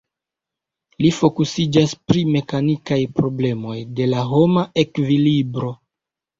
Li fokusiĝas pri mekanikaj problemoj de la homa ekvilibro.